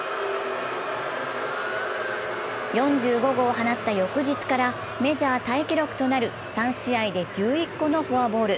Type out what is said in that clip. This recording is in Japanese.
４５号を放った翌日からメジャータイ記録となる３試合で１１個のフォアボール。